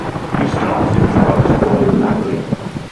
He started a drug squad in Langley.